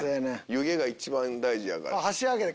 湯気が一番大事やから。